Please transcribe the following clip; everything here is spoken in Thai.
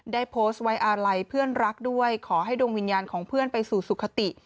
ได้โพสต์ไว้อาลัยเพื่อนรักด้วยขอให้ดวงวิญญาณของเพื่อนไปสู่สุขติ